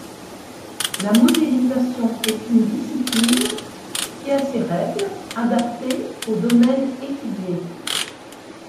La modélisation est une discipline qui a ses règles, adaptées au domaine étudié.